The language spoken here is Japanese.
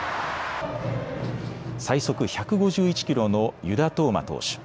最速１５１キロの湯田統真投手。